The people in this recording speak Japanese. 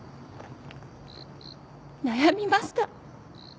悩みました。